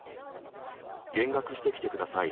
減額してきてください。